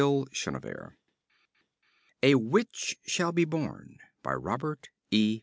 net A WITCH SHALL BE BORN By Robert E.